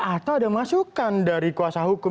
atau ada masukan dari kuasa hukum